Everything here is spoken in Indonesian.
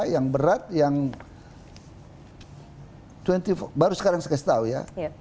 yang berat yang dua puluh baru sekarang saya kasih tahu ya